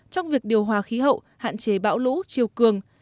trong việc điều hòa khí hậu hạn chế bão lũ chiều cường